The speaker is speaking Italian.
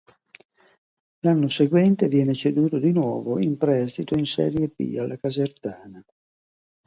L'anno seguente viene ceduto di nuovo in prestito in Serie B alla Casertana.